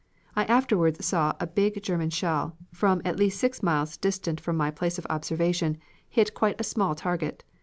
I afterwards saw a big German shell, from at least six miles distant from my place of observation, hit quite a small target.